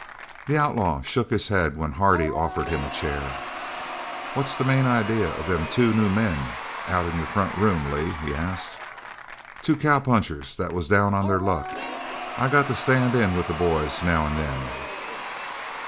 The outlaw shook his head when Hardy offered him a chair. "What's the main idea of them two new men out in your front room, Lee?" he asked. "Two cowpunchers that was down on their luck. I got to stand in with the boys now and then."